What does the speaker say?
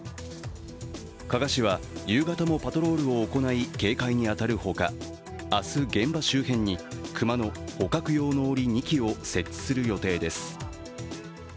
加賀市は夕方もパトロールを行い、警戒に当たるほか、明日、現場周辺に熊の捕獲用のおり２基を設置する予定です。